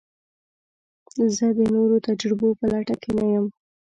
زه د نوو تجربو په لټه کې نه یم.